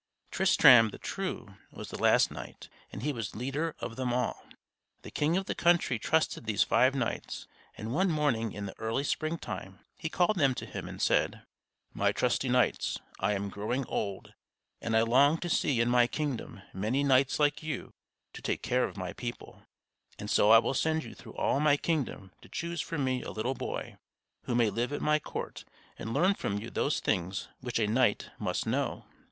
Tristram the True was the last knight, and he was leader of them all. The king of the country trusted these five knights; and one morning in the early spring time he called them to him and said: "My trusty knights, I am growing old, and I long to see in my kingdom many knights like you to take care of my people; and so I will send you through all my kingdom to choose for me a little boy who may live at my court and learn from you those things which a knight must know.